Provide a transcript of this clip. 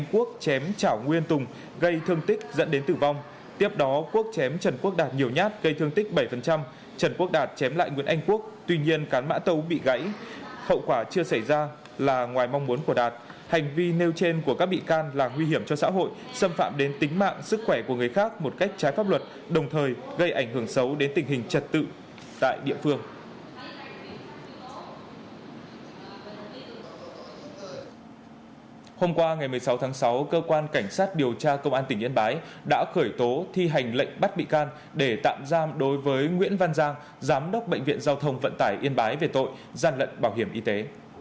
hôm qua ngày một mươi sáu tháng sáu cơ quan cảnh sát điều tra công an tỉnh yên bái đã khởi tố thi hành lệnh bắt bị can để tạm giam đối với nguyễn văn giang giám đốc bệnh viện giao thông vận tải yên bái về tội gian lận bảo hiểm y tế